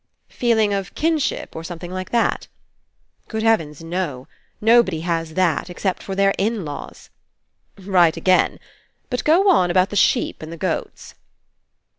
"Feeling of kinship, or something like that?" "Good heavens, no ! Nobody has that, except for their in laws." "Right again 1 But go on about the sheep and the goats."